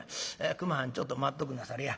熊はんちょっと待っとくんなされや。